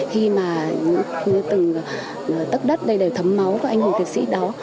khi mà từng tất đất đây đều thấm máu các anh hùng liệt sĩ đó